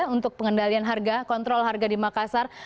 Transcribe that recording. untuk pengendalian harga kontrol harga di makassar